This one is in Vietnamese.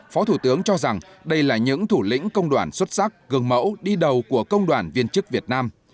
phó thủ tướng cho rằng đây là những thủ lĩnh công đoàn xuất sắc gần mẫu đi đầu của công đoàn viên chức việt nam